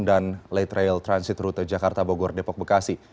dan late rail transit rute jakarta bogor depok bekasi